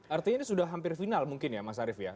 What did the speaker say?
artinya ini sudah hampir final mungkin ya mas arief ya